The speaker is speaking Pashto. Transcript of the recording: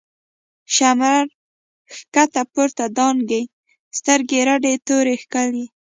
” شمر” ښکته پورته دانگی، سترگی رډی توره کښلی